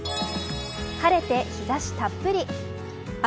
晴れて日差したっぷり。